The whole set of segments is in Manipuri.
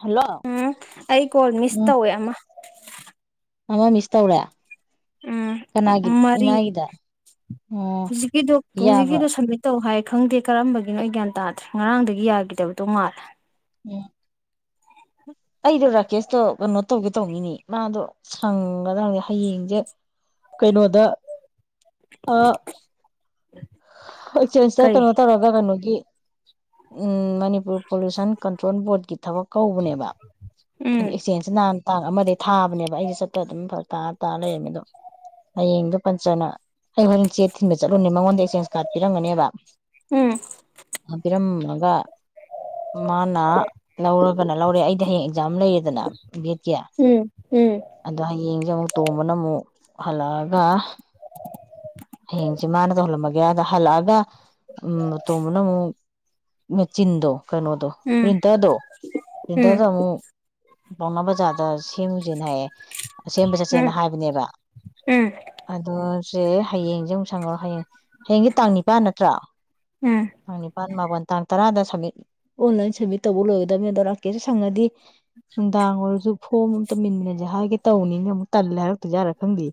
ꯍꯜꯂꯣ ꯎꯝ ꯑꯩ ꯀꯣꯜ ꯃꯤꯁ ꯎꯝ ꯇꯧꯋꯦ ꯑꯃ ꯑꯃ ꯃꯤꯁ ꯇꯧꯔꯦ ꯎꯝ ꯀꯅꯥꯒꯤ ꯃꯔꯤ ꯏꯃꯥꯒꯤꯗ ꯑꯣ ꯍꯧꯖꯤꯛꯀꯤꯗꯣ ꯌꯥꯕ꯭ꯔꯣ ꯍꯧꯖꯤꯛꯀꯤꯗꯣ ꯁꯝꯃꯤꯠ ꯇꯧ ꯍꯥꯏ ꯈꯪꯗꯦ ꯀꯔꯝꯕꯒꯤꯅꯣ ꯑꯩ ꯒ꯭ꯌꯥꯟ ꯇꯥꯗ꯭ꯔꯦ ꯉꯔꯥꯡꯗꯒꯤ ꯌꯥꯈꯤꯗꯕꯗꯣ ꯃꯥꯥꯜꯂꯦ ꯎꯝ ꯑꯩꯗꯣ ꯔꯥꯀꯦꯁꯇꯣ ꯀꯩꯅꯣ ꯇꯧꯒꯦ ꯇꯧꯅꯤꯅꯦ ꯃꯥꯗꯣ ꯁꯪꯒꯗꯔ ꯈꯪꯗꯦ ꯍꯌꯦꯡꯁꯦ ꯀꯩꯅꯣꯗ ꯑ ꯑꯦꯛꯆꯦꯟꯁꯇ ꯀꯔꯤ ꯀꯩꯅꯣ ꯇꯧꯔꯒ ꯀꯩꯅꯣꯒꯤ ꯎꯝ ꯃꯅꯤꯄꯨꯔ ꯄꯣꯂꯨꯁꯟ ꯀꯟ ꯇ꯭ꯔꯣꯟ ꯕꯣꯔꯗꯀꯤ ꯊꯕꯛ ꯀꯧꯕꯅꯦꯕ ꯎꯝ ꯑꯦꯛꯆꯦꯟꯁꯁꯤ ꯅꯍꯥꯟ ꯇꯥꯡ ꯑꯃꯗ ꯊꯥꯕꯅꯦꯕ ꯑꯩꯗꯤ ꯆꯠꯄ ꯑꯗꯨꯝ ꯐꯔꯛ ꯇꯥ ꯇꯥꯔ ꯂꯩꯔꯝꯃꯦ ꯑꯗꯣ ꯍꯌꯦꯡꯗꯣ ꯄꯟꯆꯅ ꯑꯩ ꯍꯣꯔꯦꯟ ꯆꯦ ꯊꯤꯟꯕ ꯆꯠꯂꯨꯅꯦ ꯆꯦꯟꯁ ꯀꯥꯔꯗ ꯄꯤꯔꯝꯒꯅꯤꯕ ꯎꯝ ꯄꯤꯔꯝ ꯃꯒ ꯃꯥꯅꯥ ꯂꯧꯔ ꯒꯅ ꯂꯧꯔꯦ ꯑꯩꯗꯤ ꯍꯌꯦꯡ ꯖꯥꯝ ꯂꯩꯌꯦꯗꯅ ꯚꯦꯠꯀꯤ ꯎꯝ ꯎꯝ ꯑꯗꯣ ꯍꯌꯦꯡ ꯑꯃꯨꯛ ꯇꯣꯝꯕꯅ ꯑꯃꯨꯛ ꯍꯜꯂꯛꯑꯒ ꯍꯌꯦꯡꯁꯦ ꯃꯥꯅ ꯇꯧꯍꯜꯂꯝꯃꯒꯦ ꯑꯗ ꯍꯜꯂꯛꯑꯒ ꯎꯝ ꯇꯣꯝꯕꯅ ꯃꯦꯆꯤꯟꯗꯣ ꯀꯩꯅꯣꯗꯣ ꯎꯝ ꯄ꯭ꯔꯤꯟꯇꯔꯗꯣ ꯎꯝ ꯄ꯭ꯔꯤꯟꯇꯔꯗ ꯑꯃꯨꯛ ꯄꯥꯎꯅꯥ ꯕꯖꯥꯔꯗ ꯁꯦꯝꯃꯨꯖꯤꯅ ꯍꯥꯏꯌꯦ ꯁꯦꯝꯕ ꯎꯝ ꯆꯠꯁꯦꯅ ꯍꯥꯏꯕꯅꯦꯕ ꯎꯝ ꯑꯗꯣ ꯁꯦ ꯍꯌꯦꯡꯁꯦ ꯑꯃꯨꯛ ꯁꯪꯉꯔꯣꯏ ꯍꯌꯦꯡ ꯍꯌꯦꯡꯖꯦ ꯇꯥꯡ ꯅꯤꯄꯥꯥꯟ ꯅꯠꯇ꯭ꯔꯥ ꯎꯝ ꯅꯤꯄꯜ ꯃꯥꯄꯜ ꯇꯥꯡ ꯇꯔꯥꯗ ꯁꯃꯤꯠ ꯑꯣꯟꯂꯥꯏꯟ ꯁꯃꯤꯠ ꯇꯧꯕ ꯂꯣꯏꯒꯗꯕꯅꯤ ꯑꯗꯣ ꯂꯥꯛꯀꯦꯁꯨ ꯁꯪꯉꯗꯤ ꯅꯨꯡꯗꯥꯡ ꯑꯣꯏꯔꯁꯨ ꯐꯣꯝ ꯑꯃ ꯇꯧꯃꯤꯃꯤꯟꯅꯁꯦ ꯍꯥꯏꯒꯦ ꯇꯧꯕꯅꯤꯅ ꯑꯃꯨꯛ ꯇꯜꯂꯦ ꯍꯥꯏꯔꯛꯇꯣꯏꯔꯥ ꯈꯪꯗꯦ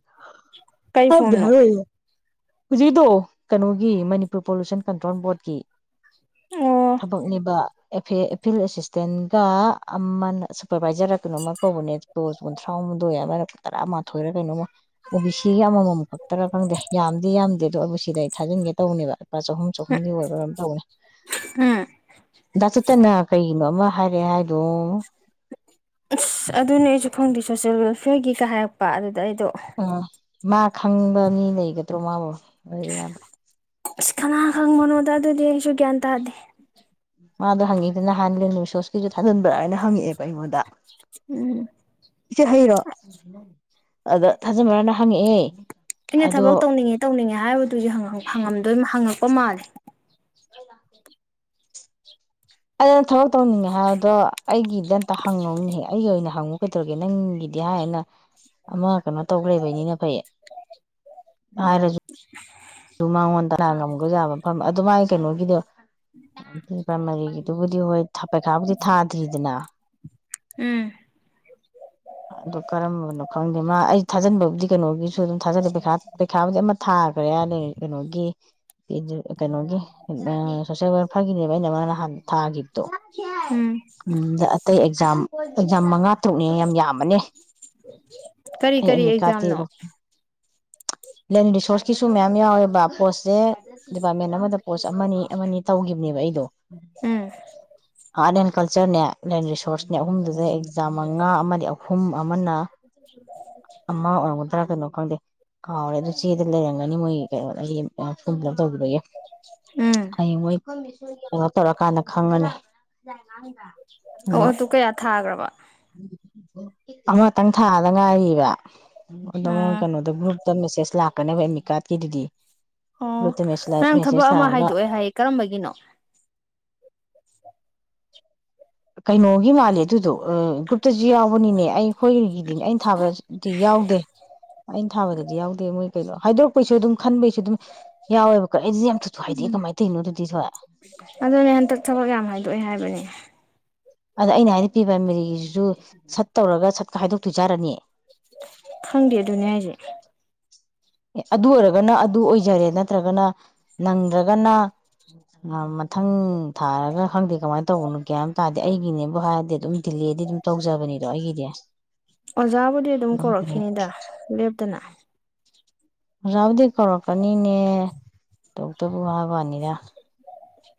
ꯀꯔꯤ ꯈꯪꯗꯦ ꯐꯣꯝꯅꯣ ꯍꯧꯖꯤꯛꯀꯤꯗꯣ ꯀꯩꯅꯣꯒꯤ ꯃꯅꯤꯄꯨꯔ ꯄꯣꯂꯨꯁꯟ ꯀꯟꯇ꯭ꯔꯣꯜ ꯕꯣꯔꯠꯀꯤ ꯑꯣ ꯊꯕꯛꯅꯦꯕ ꯑꯦ ꯐꯤꯜ ꯑꯦꯁꯤꯁꯇꯦꯟꯒ ꯑꯃꯅ ꯁꯨꯄꯔꯕꯥꯏꯖꯔꯔ ꯀꯩꯅꯣꯃ ꯀꯧꯕꯅꯦ ꯄꯣꯁ ꯀꯨꯟꯊ꯭ꯔꯥꯍꯨꯝꯗꯣꯏ ꯑꯃꯅ ꯇꯔꯥ ꯃꯥꯊꯣꯏꯔ ꯀꯩꯅꯣꯃ ꯑꯣ ꯕꯤ ꯁꯤꯒꯤ ꯑꯃꯃꯝ ꯈꯛꯇꯔ ꯈꯪꯗꯦ ꯌꯥꯝꯗꯤ ꯌꯥꯝꯗꯦ ꯑꯗꯣ ꯑꯩꯕꯨ ꯁꯤꯗ ꯑꯩ ꯊꯥꯖꯤꯟꯒꯦ ꯇꯧꯕꯅꯦꯕ ꯂꯨꯄꯥ ꯆꯍꯨꯝ ꯆꯍꯨꯝꯒꯤ ꯑꯣꯏꯕꯔ ꯀꯩꯄꯣ ꯇꯧꯅꯦ ꯎꯝ ꯗꯥꯆꯠꯇꯅ ꯀꯩꯒꯤꯅꯣ ꯑꯃ ꯍꯥꯏꯔꯛꯑꯦ ꯍꯥꯏꯗꯣ ꯑꯁ ꯑꯗꯨꯅꯦ ꯑꯩꯁꯨ ꯈꯪꯗꯦ ꯁꯣꯁꯦꯜ ꯋꯦꯜꯐꯤꯌꯔꯒꯤꯒ ꯍꯥꯏꯔꯛꯄ ꯑꯗꯨ ꯑꯗꯨꯗ ꯑꯩꯗꯣ ꯑ ꯃꯥ ꯈꯪꯕ ꯃꯤ ꯂꯩꯒꯗ꯭ꯔꯣ ꯃꯥꯕꯨ ꯑꯌꯥꯝꯕ ꯑꯁ ꯀꯅꯥ ꯈꯪꯕꯅꯣꯗ ꯑꯗꯨꯗꯤ ꯑꯩꯁꯨꯨ ꯒꯌꯥꯟ ꯇꯥꯗꯦ ꯃꯥꯗꯣ ꯍꯪꯉꯛꯑꯦ ꯅꯍꯥꯟ ꯂꯁꯣꯁꯀꯤꯁꯨ ꯊꯥꯖꯤꯟꯕ꯭ꯔꯅ ꯍꯪꯉꯛꯑꯦꯕ ꯑꯩꯉꯣꯟꯗ ꯎꯝ ꯏꯆꯦ ꯍꯩꯔꯣ ꯑꯗꯣ ꯊꯥꯖꯤꯟꯕ꯭ꯔꯅ ꯍꯪꯉꯛꯑꯦ ꯑꯩꯅ ꯑꯗꯣ ꯊꯕꯛ ꯇꯧꯅꯤꯡꯉꯦ ꯇꯧꯅꯤꯡꯉꯦ ꯍꯥꯏꯕꯗꯨꯗꯤ ꯍꯪꯉꯝꯗꯣꯏ ꯍꯉꯝ ꯄ ꯃꯥꯜꯂꯤ ꯑꯩ ꯂꯥꯛꯀꯦ ꯑꯗꯨꯅ ꯊꯕꯛ ꯇꯧꯅꯤꯡꯉꯦ ꯍꯥꯏꯕꯗꯣ ꯑꯩꯒꯤꯗ ꯑꯝꯇ ꯍꯪꯉꯧꯅꯤꯍ ꯑꯩꯒꯤ ꯑꯣꯏꯅ ꯍꯪꯉꯨ ꯀꯩꯗꯧꯔꯒꯦ ꯅꯪꯒꯤꯗꯤ ꯍꯥꯏꯌꯦꯅ ꯑꯃ ꯀꯩꯅꯣ ꯇꯧꯈ ꯂꯩꯕꯩꯅꯤꯅ ꯐꯩꯌꯦ ꯍꯥꯏꯔꯁꯨ ꯑꯗꯨ ꯃꯉꯣꯟꯗ ꯂꯥꯜꯂꯝꯕ ꯌꯥꯕ ꯃꯐꯝ ꯑꯗꯨ ꯃꯥꯒꯤ ꯀꯩꯅꯣꯒꯤꯗꯣ ꯂꯄꯥ ꯃꯔꯤꯒꯤꯗꯨꯕꯨꯗꯤ ꯍꯣꯏ ꯄꯩꯈꯥꯕꯨꯗꯤ ꯊꯥꯗ꯭ꯔꯤꯗꯅ ꯎꯝ ꯑꯗꯨ ꯀꯔꯝꯕꯅꯣ ꯈꯪꯗꯦ ꯃꯥ ꯑꯩ ꯊꯥꯖꯟꯕꯕꯨꯗꯤ ꯀꯩꯅꯣꯒꯤꯁꯨ ꯑꯗꯨꯝ ꯊꯥꯖꯗꯦꯩꯈ ꯄꯩꯈꯥꯕꯨꯗꯤ ꯑꯃ ꯊꯥꯈ꯭ꯔꯦꯅ ꯀꯩꯅꯣꯒꯤ ꯀꯩꯅꯣꯒꯤ ꯁꯣꯁꯦꯜ ꯋꯥꯔꯛ ꯐꯒꯤꯅꯦꯕ ꯑꯩꯅ ꯃꯥ ꯅꯍꯥꯟ ꯊꯥꯈꯤꯕꯗꯣ ꯎꯝ ꯑꯇꯩ ꯑꯦꯛꯖꯥꯝ-ꯑꯦꯛꯖꯥꯝ ꯃꯉꯥ ꯇꯔꯛꯅꯦ ꯌꯥꯝ ꯌꯥꯝꯕꯅꯦ ꯑꯩ ꯀꯔꯤ-ꯀꯔꯤ ꯑꯦꯗꯃꯤꯠ ꯀꯥꯔꯗꯇꯤ ꯑꯦꯛꯖꯥꯝꯅꯣ ꯑꯗꯨꯝ ꯂꯦꯟ ꯔꯤꯁꯣꯔꯁꯀꯤꯁꯨ ꯃꯌꯥꯝ ꯌꯥꯎꯋꯦ ꯕ ꯄꯣꯁꯁꯦ ꯗꯤꯄꯥꯔꯠꯃꯦꯟ ꯑꯃꯗ ꯄꯣꯁ ꯑꯃꯅꯤ-ꯑꯃꯅꯤ ꯇꯧꯈꯤꯕꯅꯦꯕ ꯑꯩꯗꯣ ꯎꯝ ꯑꯥꯔꯠ ꯑꯦꯟ ꯀꯜꯆꯔꯅꯦ ꯂꯟ ꯔꯤꯁꯣꯔꯁꯅꯦ ꯑꯍꯨꯝꯗꯨꯗ ꯑꯦꯛꯖꯥꯝ ꯃꯉꯥ ꯑꯃꯗꯤ ꯑꯍꯨꯝ ꯑꯃꯅ ꯑꯃ ꯑꯣꯏꯔꯝꯒꯗꯔꯥ ꯀꯩꯅꯣ ꯈꯪꯗꯦ ꯀꯥꯎꯔꯦ ꯑꯗꯨ ꯆꯦꯗ ꯂꯩꯔꯝꯒꯅꯤ ꯃꯣꯏ ꯅꯣ ꯑꯩ ꯐꯣꯔꯝ ꯐꯤꯜꯂꯞ ꯇꯧꯕꯤꯔꯒꯦ ꯎꯝ ꯍꯌꯦꯡ ꯃꯣꯏ ꯀꯩꯅꯣ ꯇꯧꯔꯛꯀꯥꯟꯗ ꯈꯪꯉꯅꯤ ꯑꯣ ꯑꯗꯣ ꯑꯗꯨ ꯀꯌꯥ ꯊꯥꯒ꯭ꯔꯕ ꯑꯃꯇꯪ ꯊꯥꯗ ꯉꯥꯏꯔꯤꯕ ꯑꯗꯣ ꯃꯣꯏ ꯎꯝ ꯀꯩꯅꯣꯗꯨꯕꯨ ꯇ ꯃꯦꯁꯦꯖ ꯂꯥꯛꯀꯅꯦꯕ ꯑꯦꯃꯤꯀꯥꯔꯠꯀꯤꯗꯨꯗꯤ ꯑꯣ ꯉꯔꯥꯡ ꯊꯕꯛ ꯑꯃ ꯍꯥꯏꯗꯣꯛꯑꯦ ꯍꯥꯏ ꯀꯔꯝꯕꯒꯤꯅꯣ ꯀꯩꯅꯣꯒꯤ ꯃꯥꯜꯂꯦ ꯑꯗꯨꯗꯣ ꯒ꯭ꯔꯨꯞꯇꯁꯨ ꯌꯥꯎꯕꯅꯤꯅꯦ ꯑꯩ ꯑꯩꯈꯣꯏꯒꯤꯗꯤꯅꯦ ꯑꯩꯅ ꯊꯥꯕꯗꯤ ꯌꯥꯎꯗꯦ ꯑꯩꯅ ꯊꯥꯕꯗꯗꯤ ꯌꯥꯎꯗꯦ ꯃꯣꯏ ꯀꯩꯅꯣ ꯍꯥꯏꯗꯣꯔꯛꯄꯩꯁꯨ ꯑꯗꯨꯝ ꯈꯟꯕꯩꯁꯨ ꯑꯗꯨꯝ ꯌꯥꯎꯋꯦꯕꯀꯣ ꯑꯩꯗꯤ ꯌꯥꯝ ꯊꯨꯟ ꯊꯨꯟ ꯍꯥꯏꯥꯏꯗꯦ ꯎꯝ ꯀꯃꯥꯏꯅ ꯇꯧꯔꯤꯅꯣ ꯑꯗꯨꯗꯤ ꯊ ꯑꯗꯨꯅꯦ ꯍꯟꯇꯛ ꯊꯕꯛ ꯌꯥꯝ ꯍꯥꯏꯗꯣꯛꯑꯦ ꯍꯥꯏꯕꯅꯦ ꯑꯗ ꯑꯩꯅ ꯍꯥꯏꯗꯤ ꯄ꯭ꯔꯤ ꯄꯥꯏꯃꯥꯔꯤꯒꯤꯁꯨ ꯁꯠ ꯇꯧꯔꯒ ꯁꯠꯀ ꯍꯥꯏꯗꯣꯛꯇꯣꯏꯖꯥꯔꯅꯤ ꯈꯪꯗꯦ ꯑꯗꯨꯅꯦ ꯍꯥꯏꯁꯦ ꯑꯦ ꯑꯗꯨ ꯑꯣꯏꯔꯒꯅ ꯑꯗꯨ ꯑꯣꯏꯖꯔꯦ ꯅꯠꯇ꯭ꯔꯒꯅ ꯅꯪꯗ꯭ꯔꯒꯅ ꯃꯊꯪ ꯊꯥꯔꯒ ꯈꯪꯗꯦ ꯀꯃꯥꯏꯅ ꯇꯧꯕꯅꯣ ꯒꯌꯥꯟ ꯑꯃ ꯇꯥꯗꯦ ꯑꯩꯒꯤꯅꯦꯕꯨ ꯍꯥꯏꯔꯗꯤ ꯑꯗꯨꯝ ꯗꯤꯂꯦꯗꯤ ꯑꯗꯨꯝ ꯇꯧꯖꯕꯅꯤꯗꯣ ꯑꯩꯒꯤꯗꯤ ꯑꯣꯖꯥꯕꯨꯗꯤ ꯑꯗꯨꯝ ꯀꯧꯔꯛꯈꯤꯅꯤꯗ ꯂꯦꯞꯇꯅ ꯑꯣꯖꯥꯕꯨꯗꯤ ꯀꯧꯔꯛꯀꯅꯤꯅꯦ ꯗꯣꯛꯇꯕꯨ ꯍꯥꯏꯕꯋꯥꯅꯤꯗ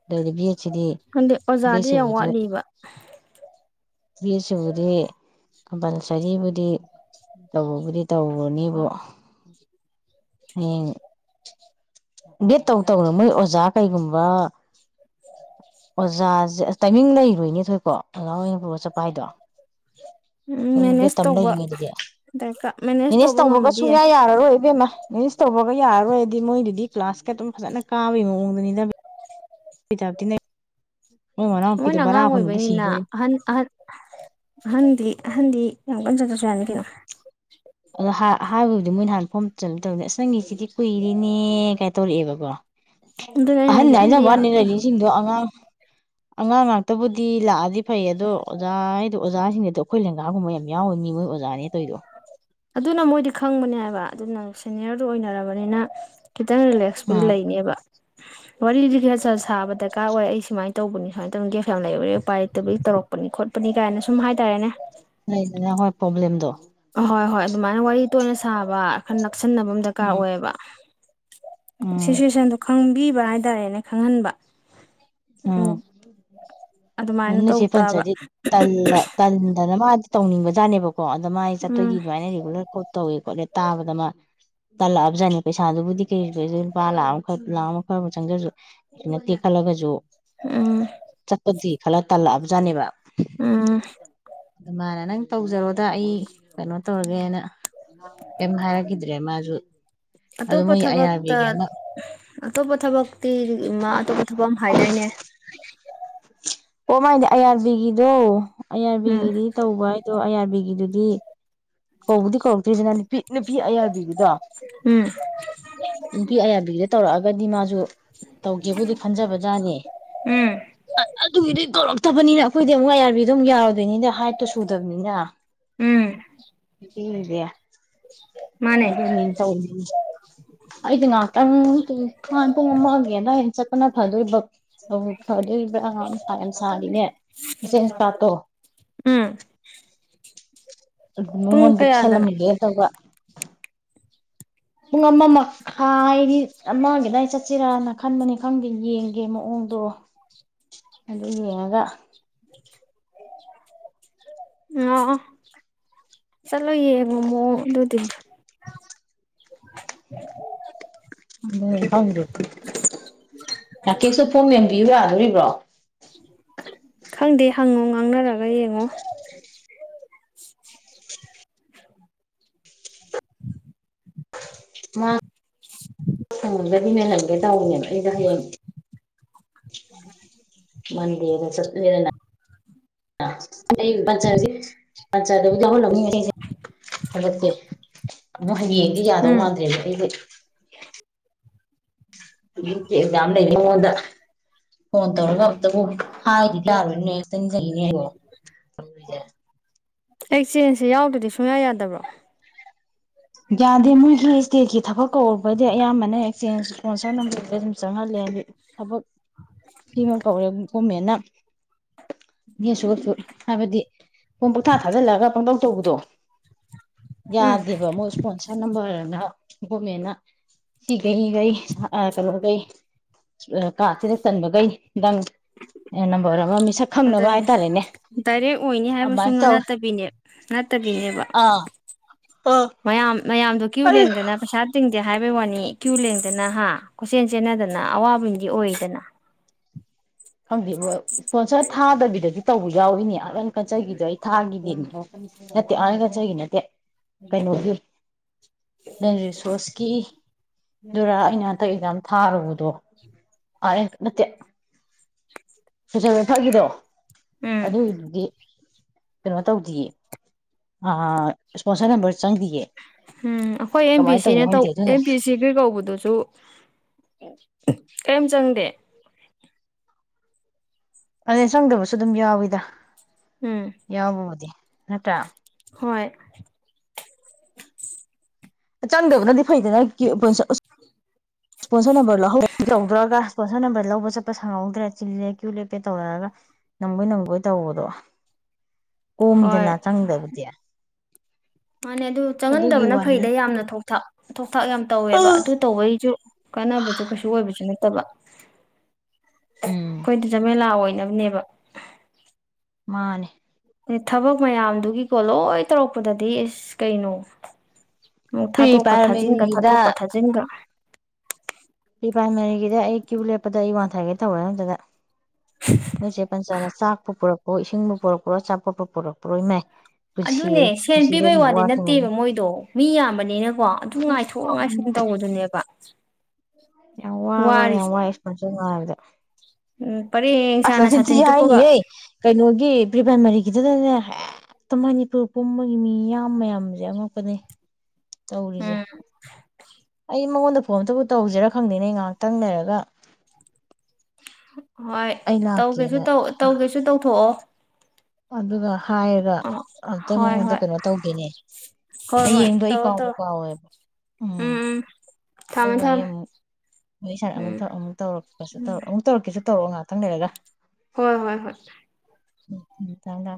ꯂꯩꯗꯕꯤ ꯈꯪꯗꯦ ꯑꯣꯖꯥꯗꯤ ꯌꯥꯝ ꯋꯥꯠꯂꯤꯕ ꯕꯦꯇꯁꯤꯕꯨꯗꯤ ꯀꯝꯄꯜꯁꯔꯤꯕꯨꯗꯤ ꯇꯧꯕꯕꯨꯗꯤ ꯇꯧꯔꯅꯤꯕꯨ ꯍꯌꯦꯡ ꯕꯦꯠ ꯇꯧ ꯇꯧꯅ ꯃꯣꯏ ꯑꯣꯖꯥ ꯀꯩꯒꯨꯝꯕ ꯑꯣꯖꯥꯁꯦ ꯇꯥꯏꯃꯤꯡ ꯂꯩꯔꯣꯏꯅꯤ ꯊꯣꯏꯀꯣ ꯑꯣꯖꯥ ꯍꯣꯏ ꯑꯣꯏꯅ ꯄꯨꯔꯣ ꯆꯠꯄ ꯍꯥꯏꯗꯣ ꯎꯝ ꯁꯣꯝꯗ ꯃꯦꯅꯦꯖ ꯕꯦꯇ ꯇꯝ ꯇꯧꯕ ꯂꯩꯔꯤꯉꯩꯗꯗꯤ ꯗꯔꯀꯥꯔ ꯃꯦꯅꯦꯖ ꯇꯧꯕ ꯇꯧꯕꯒ ꯉꯝꯃꯗꯤ ꯌꯥꯏ ꯁꯨꯡꯌꯥ ꯌꯥꯔꯔꯣꯏ ꯏꯕꯦꯝꯃ ꯃꯦꯅꯦꯖ ꯇꯧꯕꯒꯩ ꯥ ꯌꯥꯔꯔꯣꯏꯑꯦꯗꯤ ꯃꯣꯏꯗꯨꯗꯤ ꯀꯂꯥꯁꯀ ꯑꯗꯨꯝ ꯐꯖꯅ ꯀꯥꯕꯒꯤ ꯃꯑꯣꯡꯗꯨꯅꯤꯗ ꯍꯩꯗꯕꯗꯤꯅꯦ ꯃꯣꯏꯅ ꯑꯉꯥꯡ ꯑꯣꯏꯕꯅꯤꯅ ꯑꯍꯟ-ꯑꯍꯟ ꯑꯍꯟꯗꯤ ꯑꯍꯟꯗꯤ ꯌꯥꯝ ꯀꯟ ꯆꯠꯇꯔꯁꯨ ꯌꯥꯅꯤ ꯀꯅꯣ ꯍꯕꯗꯤ ꯃꯣꯏꯅ ꯍꯅ ꯐꯣꯝ ꯆ ꯇꯧꯅꯦ ꯑꯁ ꯅꯪꯒꯤꯁꯤꯗꯤ ꯀꯨꯏꯔꯤ ꯀꯥꯏ ꯇꯧꯔꯛꯑꯦꯕꯀꯣ ꯑꯗꯨꯅ ꯑꯩꯅ ꯑꯍꯟ ꯍꯥꯏꯁꯦ ꯍꯥꯏꯅ ꯑꯍꯟꯗꯤ ꯌꯥꯝ ꯋꯥꯠꯅꯤꯔꯅꯤꯁꯤꯡꯗꯣ ꯑꯉꯥꯡ ꯑꯉꯥꯡ ꯉꯥꯛꯇꯕꯨꯗꯤ ꯂꯥꯛꯑꯗꯤ ꯐꯩ ꯑꯗꯣ ꯑꯣꯖꯥ ꯍꯥꯏꯗꯣ ꯑꯣꯖꯥꯁꯤꯡꯗꯣ ꯑꯩꯈꯣꯏ ꯂꯦꯡꯒꯥꯒꯨꯝꯕ ꯌꯥꯝ ꯌꯥꯎꯋ ꯃꯤ ꯃꯣꯏ ꯑꯣꯖꯥꯅꯦꯅ ꯇꯧꯔꯤꯗꯣ ꯑꯗꯨꯅ ꯃꯣꯏꯗꯤ ꯈꯪꯕꯅꯦ ꯍꯥꯏꯕ ꯑꯗꯨꯅ ꯁꯦꯅꯤꯌꯔꯗꯨ ꯑꯣꯏꯅꯔꯕꯅꯤꯅ ꯈꯤꯇꯪ ꯔꯤꯂꯦꯛꯁꯄꯨꯗꯤ ꯑꯥ ꯂꯩꯅꯦꯕ ꯋꯥꯔꯤ ꯂꯤ ꯈ ꯁꯥꯔ ꯁꯥꯕ ꯗꯔꯀꯥꯔ ꯑꯣꯏ ꯑꯩ ꯁꯨꯃꯥꯏꯅ ꯇꯧꯕꯅꯤ ꯁꯨꯃꯥꯏꯅ ꯇꯧꯅꯤ ꯒꯦꯁ ꯌꯥꯝ ꯂꯩꯕꯔꯦ ꯎꯄꯥꯏ ꯂꯩꯇꯕꯒꯤ ꯇꯧꯔꯛꯄꯅꯤ ꯈꯣꯠꯄꯅꯤ ꯀꯥꯏꯅ ꯁꯨꯝ ꯍꯥꯏꯇꯥꯔꯦꯅꯦ ꯂꯩ ꯂꯩꯅꯦ ꯍꯣꯏ ꯄ꯭ꯔꯣꯕ꯭ꯂꯦꯝꯗꯣ ꯍꯍꯣꯏ ꯍꯣꯏ ꯑꯗꯨꯃꯥꯏꯅ ꯋꯥꯔꯤ ꯇꯣꯏꯅ ꯁꯥꯕ ꯑꯈꯟ ꯀꯛꯁꯟꯅꯕ ꯑꯃ ꯗꯔꯀꯥꯔ ꯎꯝ ꯑꯣꯏꯌꯦꯕ ꯎꯝ ꯁꯤꯁꯨꯁꯗꯨ ꯈꯪꯕꯤꯕ ꯍꯥꯏꯇꯥꯔꯦꯅꯦ ꯈꯪꯍꯟꯕ ꯎꯝ ꯎꯝ ꯑꯗꯨꯃꯥꯏꯅ ꯇꯧ ꯅꯁꯤꯦꯄꯟ ꯇꯥꯕ ꯆꯗꯤ ꯇꯂ ꯇꯜꯗꯅ ꯃꯥ ꯇꯧꯅꯤꯡꯕꯖꯥꯅꯦꯕꯣ ꯀꯣ ꯑꯗ ꯃꯥꯥꯏ ꯆꯠꯇꯣꯏꯒꯤ ꯎꯝ ꯑꯗꯨꯃꯥꯏꯅ ꯔꯤꯒꯨꯂꯔ ꯀꯣ ꯇꯧꯋꯦ ꯈꯣꯠꯂꯦ ꯇꯥꯕꯗ ꯃꯥ ꯇꯜꯂꯛꯑꯕꯖꯠꯅꯤ ꯄꯩꯁꯥꯗꯨꯕꯨꯗꯤ ꯀꯩ ꯀ ꯂꯨꯄꯥ ꯂꯥꯛ ꯑꯃꯔ ꯂꯥꯈ ꯑꯃ ꯈꯔ ꯑꯃ ꯆꯪꯗꯁꯨ ꯑꯗꯨꯅ ꯇꯦꯛꯈꯠꯂꯒꯁꯨ ꯎꯝ ꯆꯠꯄꯣ ꯍꯜ ꯇꯥ ꯅꯤꯕ ꯎꯝ ꯅꯪ ꯇꯧꯖꯔꯣꯗ ꯑꯩ ꯀꯩꯅꯣ ꯇꯧꯔꯒꯦꯅ ꯀꯩꯝꯇ ꯍꯥꯏꯔꯛꯈꯤꯗ꯭ꯔꯦ ꯃꯥꯁꯨ ꯑꯗꯨ ꯑꯇꯣꯞꯄ ꯃꯣꯏ ꯑꯥꯏ ꯊꯕꯛꯇ ꯑꯥꯔꯕꯤꯒꯤ ꯑꯃ ꯑꯇꯣꯞꯄ ꯊꯕꯛꯇꯤ ꯑꯇꯣꯞꯄ ꯊꯕꯛ ꯑꯃ ꯍꯥꯏ ꯏꯅꯦ ꯑꯣ ꯃꯥꯏꯗꯤ ꯑꯌꯥꯥꯔꯕꯤꯒꯤꯗꯣ ꯑꯥꯏ ꯑꯥꯔ ꯎꯝ ꯕꯤꯒꯤꯗꯤ ꯇꯧꯕ ꯍꯥꯏꯗꯣ ꯑꯥꯏ ꯑꯥꯔꯕꯤꯒꯤꯗꯨꯗꯤ ꯀꯧꯕꯨꯗꯤ ꯀꯧꯔꯛꯇ꯭ꯔꯤꯁꯤꯅ ꯅꯨꯄꯤ ꯅꯨꯄꯤ ꯑꯌꯥꯕꯤꯒꯤꯗꯣ ꯎꯝ ꯅꯨꯄꯤ ꯑꯌꯥꯕꯤꯒꯤꯗ ꯇꯧꯔꯛꯑꯒꯗꯤ ꯃꯥꯁꯨ ꯇꯧꯒꯦꯕꯨꯗꯤ ꯈꯟꯖꯕ ꯎꯝ ꯖꯥꯠꯅꯤꯒꯤ ꯕꯅꯤꯅ ꯑꯩꯈꯣꯏꯗꯤ ꯑꯃꯨꯛ ꯑꯔꯕꯤꯗ ꯑꯗꯨꯝ ꯌꯥꯔꯦ ꯑꯗꯨꯩꯅꯤꯗ ꯍꯥꯏꯠꯇꯣ ꯁꯨꯗꯕꯅꯤꯅ ꯎꯝ ꯌꯦꯗꯌꯥ ꯃꯥꯅꯦ ꯑꯗꯨꯅꯦ ꯇꯧꯅꯤꯡ ꯑꯩꯗꯤ ꯉꯍꯥꯛꯇꯪ ꯈꯥꯟ ꯄꯨꯡ ꯑꯃꯒꯤꯒꯅ ꯍꯩꯅ ꯆꯠꯄꯅ ꯐꯗꯣꯏꯕ ꯑꯣ ꯏ ꯑꯗꯨ ꯐꯥꯏꯝ ꯁꯥꯗꯅꯦ ꯁꯦ ꯇꯥꯇꯣ ꯎꯝ ꯑꯗꯨ ꯄꯨꯡ ꯃꯉꯣꯟꯗ ꯀꯌꯥꯗꯅꯣ ꯄꯤꯁꯜꯂꯝꯒꯦ ꯇꯧꯕ ꯄꯨꯡ ꯑꯃ ꯃꯈꯥꯏꯒꯤ ꯑꯃꯒꯤꯗꯥꯏ ꯆꯠꯁꯤꯔꯅ ꯈꯟꯕꯅꯤ ꯈꯪꯗꯦ ꯌꯦꯡꯒꯦ ꯃꯑꯣꯡꯗꯣ ꯑꯗꯨ ꯌꯦꯡꯉꯒꯥ ꯑꯣ ꯆꯠꯂꯣ ꯌꯦꯡꯉꯣ ꯃꯑꯣꯡ ꯑꯗꯨꯗꯤ [inaudible] ꯑꯗꯨꯅꯤ ꯈꯡꯗꯦ ꯔꯥꯀꯦꯁꯇꯣ ꯐꯣꯝ ꯃꯦꯟ ꯕꯤꯌꯨ ꯌꯥꯗꯣꯔꯤꯕ꯭ꯔꯣ ꯈꯪꯗꯦ ꯍꯪꯉꯣ ꯉꯥꯡꯅꯔꯒ ꯌꯦꯡꯉꯣ ꯎꯝ ꯃꯥ ꯁꯡꯉꯒꯗꯤ ꯃꯦꯜꯍꯟꯒꯦ ꯇꯧꯕꯅꯦꯕ ꯑꯩꯗꯣ ꯍꯌꯦꯡ ꯎꯝ ꯃꯗꯤꯔꯗ ꯆꯠꯂꯦꯗꯅ ꯅ ꯑꯗꯩꯩ ꯃꯖꯥꯖꯤꯗ ꯑꯠꯆꯥ ꯑꯗꯨꯗ ꯂꯧꯍꯜꯂꯝꯅꯤꯁꯦ ꯍꯧꯒꯠꯀꯦ [inaudible] [unintelligible] ꯑꯗꯣ ꯍꯌꯦꯡꯗꯤ ꯌꯥꯗꯧ ꯃꯥꯟꯗ꯭ꯔꯦꯕ ꯑꯩꯗꯣ ꯍꯨꯖꯤꯛꯇꯤ ꯑꯦꯛꯖꯥꯝ ꯂꯩꯔꯤꯉꯣꯟꯗ ꯐꯣꯟ ꯇꯧꯔꯒ ꯑꯃꯨꯛꯇꯕꯨ ꯍꯥꯏꯒꯤꯇꯔꯤꯅꯦ ꯑꯩ ꯪꯅꯤꯣ [inaudible] ꯑꯩꯛꯆꯦꯟꯖꯁꯦ ꯌꯥꯎꯗꯗꯤ ꯁꯨꯡꯌꯥ ꯌꯥꯗꯕ꯭ꯔꯣ ꯌꯥꯗꯦ ꯃꯣꯏꯒꯤ ꯏꯁꯇꯦꯠꯀꯤ ꯊꯕꯛ ꯀꯧꯔꯛꯄꯩꯗꯤ ꯑꯌꯥꯝꯕ ꯅ ꯑꯦꯛꯆꯦꯟꯖ ꯄꯣꯟꯁꯔ ꯅꯝꯕꯔꯗꯤ ꯑꯗꯨꯝ ꯆꯪꯉꯒꯦ ꯅꯦꯂꯤꯠ ꯊꯕꯛ ꯁꯤꯃ ꯀꯧꯔꯦ ꯒꯣꯔꯃꯦꯟꯅ ꯒꯤꯁꯨ ꯍꯥꯏꯕꯗꯤ ꯐꯣꯝ ꯄꯪꯊꯥ ꯊꯥꯖꯤꯜꯂꯒ ꯄꯪꯇꯧ ꯇꯧꯕꯗꯣ ꯌꯥꯗꯦꯕ ꯃꯣꯏꯁꯨ ꯁꯅꯝꯕꯔꯅ ꯒꯣꯃꯦꯟꯠꯅ ꯀꯩ ꯀꯩ ꯑ ꯀꯩꯅꯣ ꯀꯩ ꯑ ꯀꯥꯁꯤꯗ ꯆꯟꯕꯒꯩ ꯈꯪꯅꯕ ꯑꯗꯨꯅꯦ ꯍꯥꯏꯇꯥꯔꯦꯅꯦ ꯗꯥꯏꯔꯦꯛ ꯑꯣꯏꯅꯤ ꯍꯥꯏꯕꯁꯨ ꯑꯗꯨꯃꯥꯏꯅ ꯇꯧꯋꯦ ꯅꯠꯇꯕꯤꯅꯦ ꯅꯠꯇꯕꯤꯅꯦꯕ ꯑꯣꯐ ꯃꯌꯥꯝ ꯃꯌꯥꯝꯗꯣ ꯀ꯭ꯌꯨ ꯂꯦꯡꯗꯅ ꯄꯩꯁꯥ ꯇꯤꯡ ꯍꯥꯏꯕꯩ ꯋꯥꯅꯤ ꯏ꯭ꯌꯨ ꯂꯦꯡꯗꯅ ꯍꯥ ꯀꯣꯏꯆꯦꯟ ꯆꯦꯟꯅꯗꯅ ꯑꯋꯥꯕꯗꯤ ꯑꯣꯏꯗꯅ ꯈꯪ ꯄꯣꯁꯠ ꯊꯥꯗꯕꯤꯗꯗꯤ ꯇꯧꯕ ꯌꯥꯎꯋꯏꯅꯦ ꯑꯟ ꯀꯠꯆꯈꯤꯗꯣ ꯑꯩ ꯊꯥꯈꯤꯗꯦꯅꯦ ꯅꯠꯇꯦ ꯑꯥꯅ ꯈꯟꯆꯒꯤ ꯅꯠꯇꯦ ꯀꯩꯅꯣꯒꯤ ꯅ ꯔꯤꯁꯣꯔꯁꯀꯤꯗꯨꯔꯥ ꯑꯩꯅ ꯍꯟꯇꯛ ꯑꯦꯛꯖꯥꯝ ꯊꯥꯔꯨꯕꯗꯣ ꯑꯔ ꯅꯠꯇ ꯁꯣꯏꯁ ꯊꯛꯒꯤꯗꯣ ꯎꯝ ꯑꯗꯨꯒꯤꯗꯨꯗꯤ ꯀꯩꯅꯣ ꯇꯧꯗꯤꯌꯦ ꯏꯁꯄꯣꯟꯁꯔ ꯅꯝꯕꯔ ꯆꯪꯗꯤꯌꯦ ꯎꯝ ꯑꯩꯈꯣꯏ ꯑꯦꯝ ꯄꯤ ꯀꯃꯥꯏꯅ ꯇꯧꯅꯣ ꯁꯤꯅ ꯇꯧ ꯈꯪꯗꯦ ꯑꯗꯨꯅ ꯑꯦꯝ ꯄꯤ ꯁꯤꯒꯤ ꯀꯧꯕꯗꯨꯁꯨ ꯀꯔꯤꯝ ꯆꯪꯗꯦ ꯑꯗꯩ ꯆꯪꯗꯕꯁꯨ ꯑꯗꯨꯝ ꯌꯥꯎꯋꯤꯗ ꯎꯝ ꯌꯥꯎꯕꯨꯗꯤ ꯍꯦꯠꯇ ꯍꯣꯏ ꯆꯪꯗꯕꯅꯗꯤ ꯐꯩꯗꯅ ꯀ ꯄꯨ ꯄꯣꯟꯁꯣ ꯅꯝꯕꯔ ꯂꯧꯍꯧꯕ ꯇꯧꯗ꯭ꯔꯒ ꯄꯣꯠꯁꯣꯟ ꯅꯝꯕꯔ ꯂꯧꯕ ꯆꯠꯄ ꯁꯪꯍꯧꯗ꯭ꯔꯦ ꯆꯤꯜꯂꯦ ꯀ꯭ꯌꯨ ꯂꯦꯞꯄꯦ ꯇꯧꯔꯒ ꯅꯝꯃꯣꯏ ꯅꯝꯒꯣꯏ ꯇꯧꯕꯗꯣ ꯀꯣꯝꯃꯤꯗꯅ ꯍꯣꯏ ꯆꯪꯗꯕꯗꯤ ꯃꯥꯅꯦ ꯑꯗꯨ ꯑꯗꯨꯒꯤ ꯆꯪꯍꯟꯗꯕꯅ ꯋꯥꯅꯤꯗ ꯐꯩꯗ ꯌꯥꯝꯅ ꯊꯣꯛ ꯊ ꯊꯣꯛ ꯊꯥꯛ ꯌꯥꯝ ꯇꯧꯋꯦꯕ ꯑꯗꯨ ꯇꯧꯕꯩꯁꯨ ꯀꯥꯟꯅꯕꯁꯨ ꯀꯩꯁꯨ ꯑꯣꯏꯕꯁꯨ ꯅꯠꯇꯕ ꯎꯝ ꯑꯩꯈꯣꯏꯗꯤ ꯖꯃꯦꯂꯥ ꯑꯣꯏꯅꯕꯅꯦꯕ ꯃꯥꯅꯦ ꯑꯦ ꯊꯕꯛ ꯃꯌꯥꯝꯗꯨꯒꯤꯀꯣ ꯂꯣꯏ ꯇꯧꯔꯛꯄꯗꯗꯤ ꯑꯦꯁ ꯀꯩꯅꯣ ꯎꯝ ꯄ꯭ꯔꯤ ꯊꯥꯗꯣꯛꯀ ꯊꯥꯖꯤꯟꯒ ꯄ꯭ꯔꯥꯏꯃꯥꯔꯤꯒꯤꯗ ꯊꯥꯗꯣꯛꯀ ꯊꯥꯖꯤꯟꯒ ꯄ꯭ꯔꯥꯏꯃꯔꯤꯒꯤꯗꯤ ꯑꯩ ꯀ꯭ꯌꯨ ꯂꯦꯞꯄꯗ ꯑꯩ ꯋꯥꯡꯊꯥꯏꯒꯤ ꯇꯧꯔꯦ ꯑꯝꯇꯗ ꯅꯣꯏ ꯆꯦ ꯄ ꯆꯅ ꯆꯥꯛꯄꯨ ꯄꯨꯔꯛꯄ ꯑꯣ ꯏꯁꯤꯡꯕꯨ ꯄꯣꯔꯛꯄ꯭ꯔꯣ ꯑꯆꯥꯄꯣꯠꯄ ꯄꯣꯔꯛꯄ꯭ꯔꯣ ꯏ ꯃꯥꯏ ꯑꯗꯨꯅꯦ ꯁꯦꯟ ꯄꯤꯕꯩ ꯋꯥꯗꯤ ꯊꯦꯡꯅꯅꯤ ꯅꯠꯇꯦꯕ ꯃꯣꯏꯗꯣ ꯃꯤ ꯌꯥꯝꯕꯅꯤꯅꯀꯣ ꯑꯗꯨ ꯉꯥꯏꯊꯣꯛ ꯉꯥꯏꯁꯨꯝ ꯇꯧꯕꯗꯨꯅꯦꯕ [unintelligible] [unintelligible] ꯋꯥꯔꯤꯁꯦ [inaudible] ꯎꯝ ꯄꯔꯦꯡ ꯑꯁ ꯁꯥꯅ ꯁꯥꯇꯤꯟ ꯅꯆꯤꯟꯊꯤ ꯇꯨꯞꯄꯒ ꯍꯥꯏꯅꯤꯍꯦ ꯀꯩꯅꯣꯒꯤ ꯄ꯭ꯔꯤꯄ꯭ꯔꯥꯏꯃꯔꯤ__ ꯒꯤꯇꯗꯅꯦ ꯍꯦꯛꯇ ꯃꯅꯤꯄꯨꯔ ꯄꯨꯝꯕꯒꯤ ꯃꯤꯌꯥꯝ ꯃꯌꯥꯝꯁꯦ ꯑꯉꯛꯄꯅꯤ ꯇꯧꯔꯤꯁꯦ ꯎꯝ ꯁꯤ ꯃꯉꯣꯟꯗ ꯐꯣꯟꯇ ꯑꯝꯇꯥꯕꯨ ꯇꯧꯁꯤꯔꯥ ꯈꯪꯗꯦꯅꯦ ꯉꯥꯏꯍꯥꯛꯇꯪ ꯂꯩꯔꯒ [inaudible] ꯍꯣꯏ ꯑꯩ ꯇꯧꯒꯦꯁꯨ ꯂꯥꯛꯀꯦꯅ ꯇꯧ ꯇꯧꯒꯦꯁꯨ ꯇꯧꯊꯣꯛꯑꯣ ꯑꯗꯨꯒ ꯍꯥꯏꯔ ꯑ ꯑꯝꯇ ꯍꯣꯏ ꯃꯉꯣꯟꯗ ꯍꯣꯏ ꯀꯩꯅꯣ ꯇꯧꯒꯦꯅꯦ ꯍꯣꯏ ꯍꯣꯏ ꯍꯌꯦꯡꯗꯣ ꯑꯩ ꯇꯧꯔꯣ ꯀꯥꯎꯕꯨ ꯇꯧꯔꯣ ꯀꯥꯎꯋꯦꯕ ꯎꯝ ꯊꯝꯃꯦ ꯑꯗꯨꯒ ꯑꯩ ꯊꯝꯃꯦ ꯑꯃꯨꯛ ꯃꯣꯏ ꯁꯔ ꯑꯃꯨꯛ ꯎꯝ ꯑꯃꯨꯛ ꯇꯧꯔꯛꯄꯁꯨ ꯎꯝ ꯑꯃꯨꯛ ꯇꯧꯔꯛꯀꯦꯁꯨ ꯇꯧꯔꯛꯑꯣ ꯉꯥꯛꯇꯪ ꯂꯩꯔꯒ ꯍꯣꯏ ꯍꯣꯏ ꯍꯣꯏ ꯎꯝ ꯊꯝꯃꯤ ꯊꯝꯃꯤ